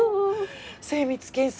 精密検査